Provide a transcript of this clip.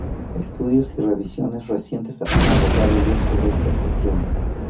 Estudios y revisiones recientes han arrojado luz sobre esta cuestión.